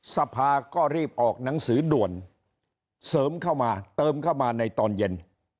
สภาก็รีบออกหนังสือด่วนเสริมเข้ามาเติมเข้ามาในตอนเย็น